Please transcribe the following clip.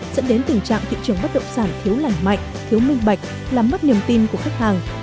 dẫn đến tình trạng thị trường bất động sản thiếu lành mạnh thiếu minh bạch làm mất niềm tin của khách hàng